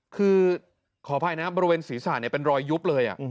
คือขออภัยนะครับบริเวณศรีษะเนี่ยเป็นรอยยุบเลย